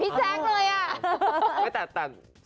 เหมือนพี่แจกเลยอะ